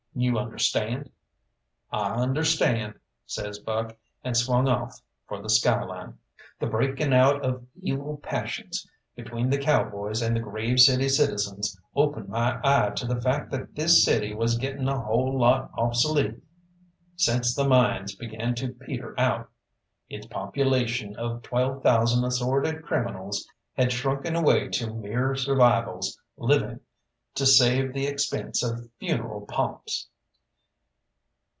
You understand?" "I understand," says Buck, and swung off for the skyline. The breaking out of evil passions between the cowboys and the Grave City citizens opened my eye to the fact that this city was getting a whole lot obsolete since the mines began to peter out. Its population of twelve thousand assorted criminals had shrunken away to mere survivals living to save the expense of funeral pomps.